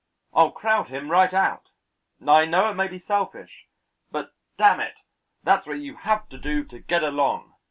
I'll crowd him right out; I know it may be selfish, but, damn it! that's what you have to do to get along.